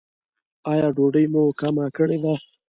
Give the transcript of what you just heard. ایا ډوډۍ مو کمه کړې ده؟